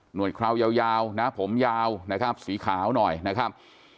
วดคราวยาวนะผมยาวนะครับสีขาวหน่อยนะครับ